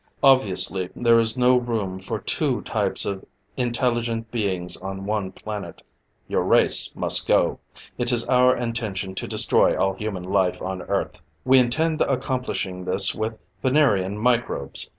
Obviously, there is no room for two types of intelligent beings on one planet your race must go! It is our intention to destroy all human life on Earth! "We intend accomplishing this with Venerian microbes.